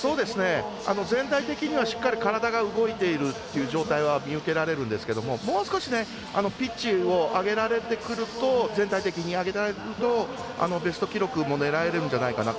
全体的にはしっかり体が動いているという状態は見受けられるんですけれどもう少しピッチを上げられてくると全体的に上げられるとベスト記録も狙えるんじゃないかな。